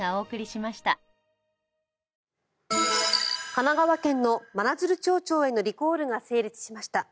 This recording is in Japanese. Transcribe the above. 神奈川県の真鶴町長へのリコールが成立しました。